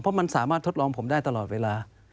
เพราะมันสามารถทดลองผมได้ตลอดเวลา